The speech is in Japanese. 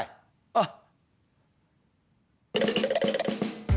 あっ。